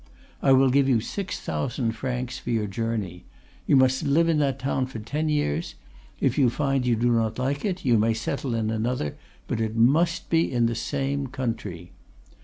I will give you six thousand francs for your journey. You must live in that town for ten years; if you find you do not like it, you may settle in another, but it must be in the same country.